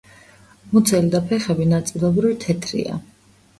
მუცელი და ფეხები ნაწილობრივ თეთრია.